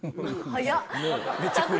早っ。